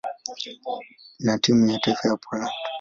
na timu ya taifa ya Poland.